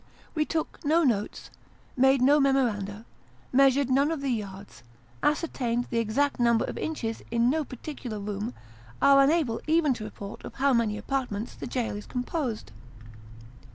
We took no notes, made no memoranda, measured none of the yards, ascertained the exact number of inches in no particular room : are unable even to report of how many apartments the jail is composed.